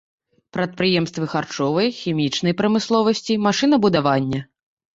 Прадпрыемствы харчовай, хімічнай прамысловасці, машынабудавання.